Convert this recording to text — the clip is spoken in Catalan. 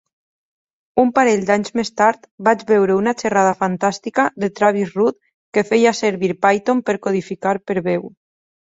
Un parell d'anys més tard vaig veure una xerrada fantàstica de Tavis Rudd que feia servir Python per codificar per veu.